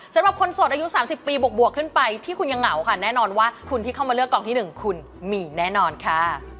สำหรับคนโสดอายุ๓๐ปีบวกขึ้นไปที่คุณยังเหงาค่ะแน่นอนว่าคุณที่เข้ามาเลือกกองที่๑คุณมีแน่นอนค่ะ